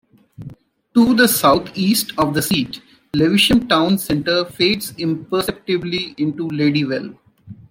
To the South East of the seat, Lewisham town centre fades imperceptibly into Ladywell.